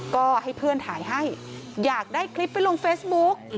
ก็ให้เพื่อนถ่ายให้อยากได้คลิปไปลงเฟซบุ๊ก